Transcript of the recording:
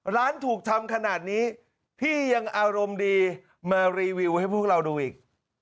ร้านถูกทำขนาดนี้พี่ยังอารมณ์ดีมารีวิวให้พวกเราดูอีก